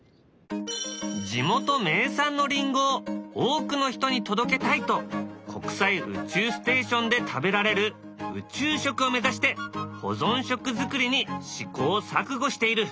地元名産のりんごを多くの人に届けたいと国際宇宙ステーションで食べられる宇宙食を目指して保存食作りに試行錯誤している。